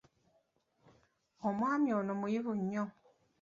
Omwani oyo muyivu nnyo.